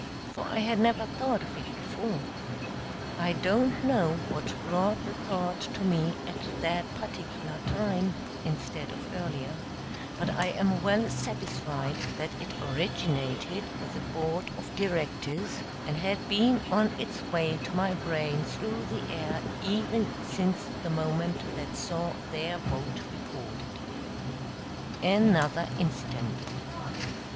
for I had never thought of it before. I don't know what brought the thought to me at that particular time instead of earlier, but I am well satisfied that it originated with the Board of Directors, and had been on its way to my brain through the air ever since the moment that saw their vote recorded. Another incident.